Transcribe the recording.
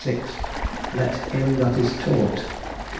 6); "Let him that is taught," (Gal.